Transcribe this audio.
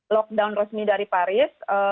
lockdown resmi dari paris